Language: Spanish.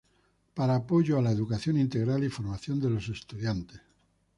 Para apoyo a la educación integral y formación de los estudiantes.